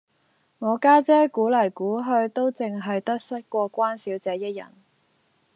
我家姐估黎估去都淨係得失過關小姐一人